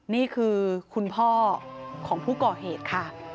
นี่คือคุณพ่อของผู้ก่อเหตุค่ะ